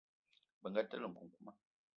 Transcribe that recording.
Bënga telé nkukuma.